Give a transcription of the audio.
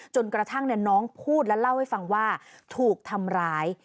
จนกระทั่งน้องพูดและเล่าให้ฟังว่าถูกทำร้าย